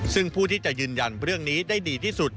ซึ่งผู้ที่จะยืนยันเรื่องนี้ได้ดีที่สุด